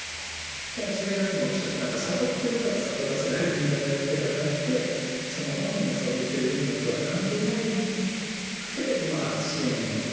だからそれが今おっしゃった悟ってるから悟らせられるんだではなくてその本人が悟ってるうんぬんとは関係なくてまあ支援を。